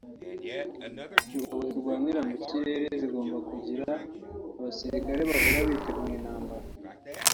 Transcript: Ingabo zirwanira mu kirere zigomba kugira abasirikare bahora biteguriye intambara